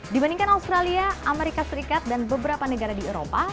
dibandingkan australia amerika serikat dan beberapa negara di eropa